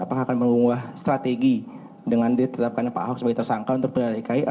apakah akan mengunggah strategi dengan ditetapkan pak ahok sebagai tersangka untuk pilkada dki